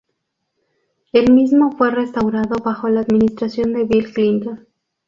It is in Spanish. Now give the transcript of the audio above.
El mismo fue restaurado bajo la administración de Bill Clinton.